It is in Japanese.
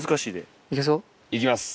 行きます。